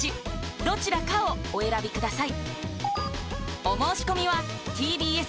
どちらかをお選びください